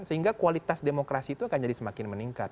sehingga kualitas demokrasi itu akan jadi semakin meningkat